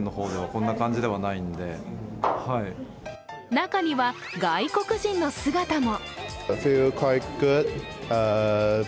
中には、外国人の姿も。